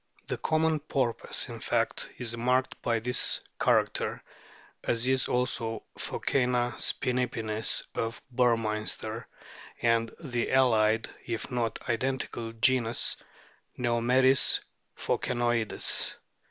The common Porpoise, in fact, is marked by this character, as is also Phoc&na spinipinnis of Burmeister, and the allied, if not identical, genus Neomeris phoc&noides.